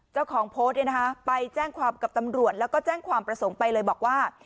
เจ้าของโพสต์ไปแจ้งความกับตำรวจแล้วก็แจ้งความประสงค์ไปเลยบอกว่า